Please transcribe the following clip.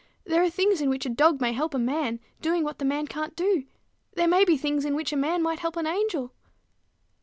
There are things in which a dog may help a man, doing what the man can't do: there may be things in which a man might help an angel."